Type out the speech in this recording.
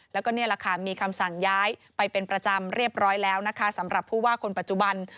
แล้วก็นี่แหละค่ะมีคำสั่งย้ายไปเป็นประจำเรียบร้อยแล้วนะคะสำหรับผู้ว่าคนปัจจุบัน